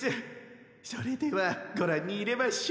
それではごらんにいれましょう。